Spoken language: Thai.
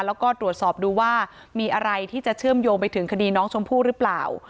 แล้วก็ตรวจสอบดูว่ามีอะไรที่จะเชื่อมโยงไปถึงคดีน้องชมพู่หรือเปล่า